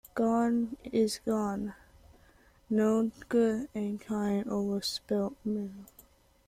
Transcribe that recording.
Gone is gone. No good in crying over spilt milk.